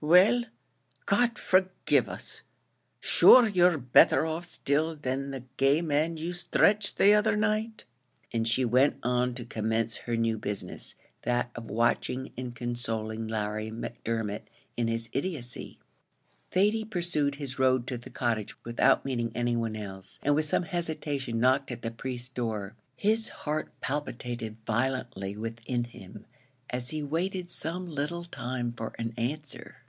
Well, God forgive us! shure you're betther off still, than the gay man you stretched the other night;" and she went on to commence her new business that of watching and consoling Larry Macdermot in his idiotcy. Thady pursued his road to the Cottage, without meeting anyone else, and with some hesitation knocked at the priest's door. His heart palpitated violently within him as he waited some little time for an answer.